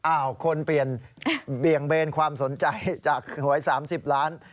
คนเปลี่ยนเบี่ยงเบนความสนใจจากหวย๓๐ล้าน